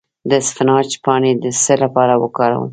د اسفناج پاڼې د څه لپاره وکاروم؟